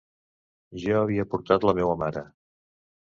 Jo havia portat la meua mare.